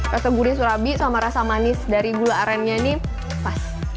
rasa gurih surabi sama rasa manis dari gula arennya ini pas